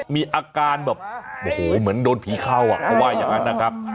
มีอาการแบบโอ้โหเหมือนโดนผีเข้าเขาว่าอย่างนั้นนะครับ